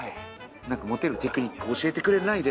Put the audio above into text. なんか「モテるテクニック教えてくれない？」